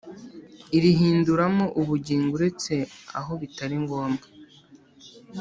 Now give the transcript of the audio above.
irihinduramo ubugingo uretse aho bitari ngombwa